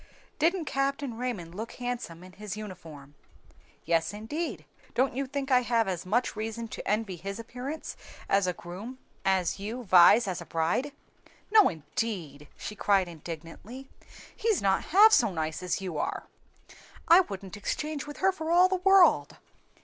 "Didn't Captain Raymond look handsome in his uniform?" "Yes, indeed; don't you think I have as much reason to envy his appearance as a groom as you Vi's as a bride?" "No, indeed!" she cried indignantly, "he's not half so nice as you are! I wouldn't exchange with her for all the world!"